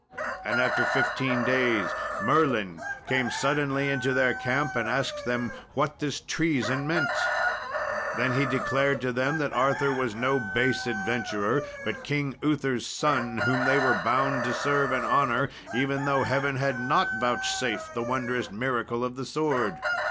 And after fifteen days Merlin came suddenly into their camp and asked them what this treason meant. Then he declared to them that Arthur was no base adventurer, but King Uther's son, whom they were bound to serve and honour even though Heaven had not vouchsafed the wondrous miracle of the sword.